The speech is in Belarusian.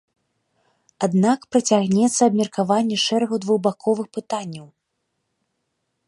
Аднак працягнецца абмеркаванне шэрагу двухбаковых пытанняў.